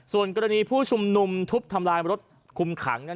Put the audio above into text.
ส่วนกรณีผู้ชุมนุมทุบทำลายรถคุมขัง